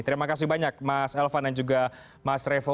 terima kasih banyak mas elvan dan juga mas revo